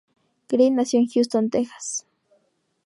Green nació en Houston, Texas.